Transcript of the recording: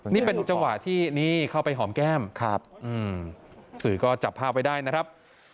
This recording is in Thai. นี่เป็นจังหวะที่นี่เข้าไปหอมแก้มครับสื่อก็จับภาพไว้ได้นะครับ